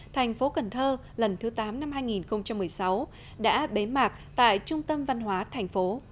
thành phố cần thơ lần thứ tám năm hai nghìn một mươi sáu đã bế mạc tại trung tâm văn hóa thành phố